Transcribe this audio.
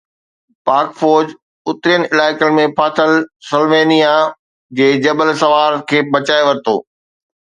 پاڪ فوج اترين علائقن ۾ ڦاٿل سلووينيا جي جبل سوار کي بچائي ورتو